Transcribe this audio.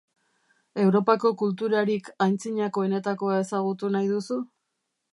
Europako kulturarik antzinakoenetakoa ezagutu nahi duzu?